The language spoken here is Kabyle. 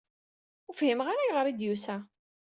Ur fhimeɣ ara ayɣer i d-yusa.